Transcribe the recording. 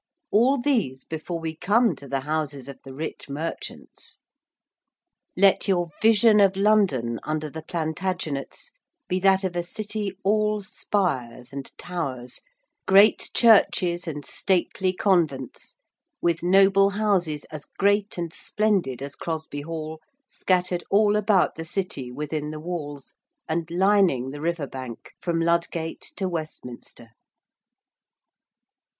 All these before we come to the houses of the rich merchants. Let your vision of London under the Plantagenets be that of a city all spires and towers, great churches and stately convents, with noble houses as great and splendid as Crosby Hall scattered all about the City within the walls and lining the river bank from Ludgate to Westminster.